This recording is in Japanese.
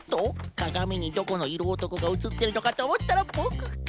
かがみにどこのいろおとこがうつってるのかとおもったらボクか。